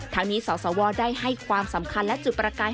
ทั้งนี้สสวได้ให้ความสำคัญและจุดประกาย